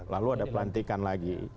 lalu ada pelantikan lagi